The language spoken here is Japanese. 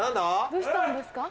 どうしたんですか？